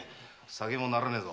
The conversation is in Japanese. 酒もならねえぞ。